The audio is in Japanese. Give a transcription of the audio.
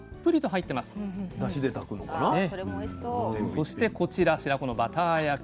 そしてこちら白子のバター焼き。